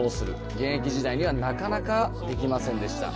現役時代にはなかなかできませんでした。